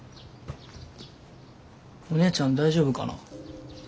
お姉ちゃん大丈夫かな？